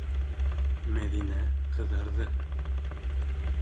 - Мәҙинә ҡыҙарҙы.